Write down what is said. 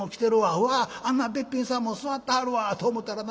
うわっあんなべっぴんさんも座ってはるわ』と思ったらな